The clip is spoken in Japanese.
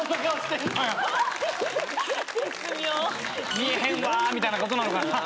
見えへんわみたいなことなのかな？